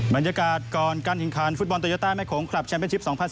บรรยากาศก่อนการแข่งขันฟุตบอลโตโยต้าแม่โขงคลับแชมเป็นชิป๒๐๑